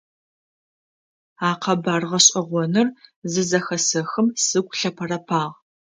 А къэбар гъэшӀэгъоныр зызэхэсэхым сыгу лъэпэрэпагъ.